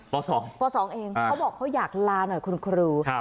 ป่าสองป่าสองเองอ่าเขาบอกเขาอยากลาหน่อยคุณครูครับ